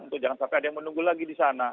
untuk jangan sampai ada yang menunggu lagi di sana